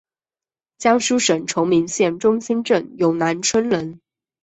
江苏省崇明县中兴镇永南村人。